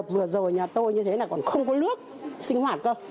vừa rồi nhà tôi như thế là còn không có nước sinh hoạt cơ